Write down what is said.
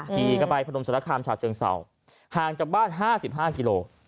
ขี่กลับไปผนมศรษฐคามชาติเชิงเสาห่างจากบ้าน๕๕กิโล